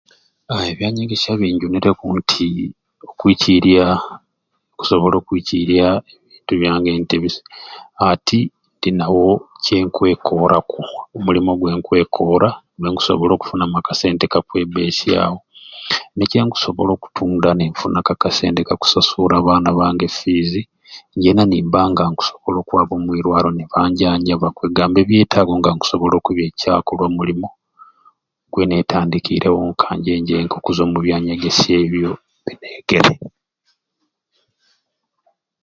Aaa ebyanyegesya binjunireku nti okwikiirya okusobola oku okwikiirya ebintu byange nti nina ati ninawo kyenkwekooraku omulimu gwenkwekoora gwenkusobola kufunamu akasente aka kwebbesyawo nikyo nkusobola okutunda ni nfunaku akasente akakusasuula abaana bange fiizi njeena nimba nga nkusobola nkwaba omwirwaliro ni banjanjaba kwegamba ebyetaago nga nkusobola okubaicaaku lwa mulimu gwenetandikiirewo nka nje njenkai okuzwa mu byanyegesya ebyo bineegere.